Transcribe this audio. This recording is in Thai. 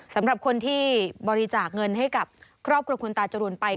สำหรับคนที่บริจาคเงินให้กับครอบครัวคุณตาจรูนไป